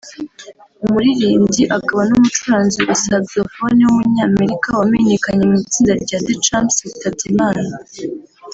umuririmbyi akaba n’umucuranzi wa Saxophone w’umunyamerika wamenyekanye mu itsinda rya The Champs yitabye Imana